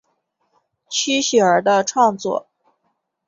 区雪儿的创作。